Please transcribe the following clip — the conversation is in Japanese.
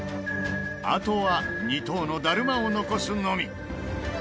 あとは２等のだるまを残すのみ。